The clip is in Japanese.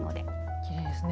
きれいですね